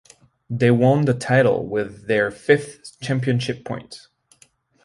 They won the title with their fifth championship point.